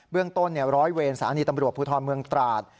เบื้องต้นเนี่ย๑๐๐เวนสารณีตำรวจพูทธรรมเมืองตราด